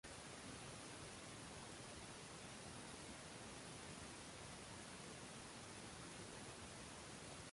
Ayolimiz eshik-orada donlamish tovuqlarni qarg‘ab-qarg‘ab haydadi.